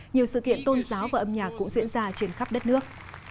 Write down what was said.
nhiều sự kiện tôn giáo và âm nhạc cũng diễn ra trên khắp đất nước